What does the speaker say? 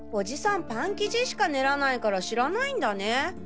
パン生地しか練らないから知らないんだね。